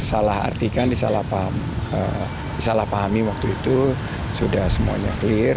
disalah artikan disalah pahami waktu itu sudah semuanya clear